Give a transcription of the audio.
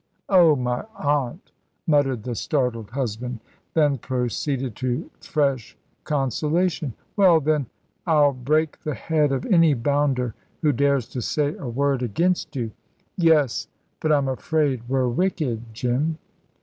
"Oh, my aunt," muttered the startled husband; then proceeded to fresh consolation: "Well, then, I'll break the head of any bounder who dares to say a word against you." "Yes; but I'm afraid we're wicked, Jim."